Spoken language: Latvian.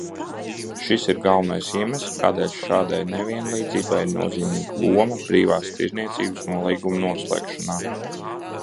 Šis ir galvenais iemesls, kādēļ šādai nevienlīdzībai ir nozīmīga loma brīvās tirdzniecības nolīguma noslēgšanā.